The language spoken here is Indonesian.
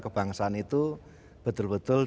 kebangsaan itu betul betul